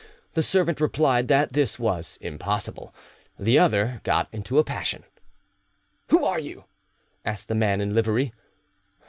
The servant replied that this was impossible; the other got into a passion. "Who are you?" asked the man in livery.